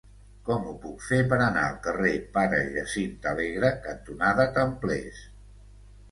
Com ho puc fer per anar al carrer Pare Jacint Alegre cantonada Templers?